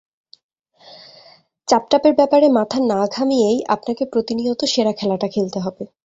চাপটাপের ব্যাপারে মাথা না ঘামিয়েই আপনাকে প্রতিনিয়ত সেরা খেলাটা খেলতে হবে।